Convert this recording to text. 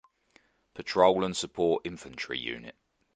Patrol and support infantry unit.